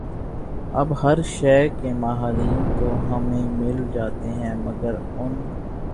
اب ہر شعبے کے ماہرین تو ہمیں مل جاتے ہیں مگر ان